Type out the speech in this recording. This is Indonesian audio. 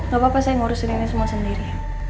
gak apa apa saya ngurusin ini semua sendiri